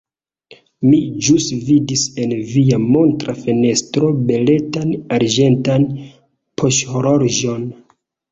Mi ĵus vidis en via montra fenestro beletan arĝentan poŝhorloĝon.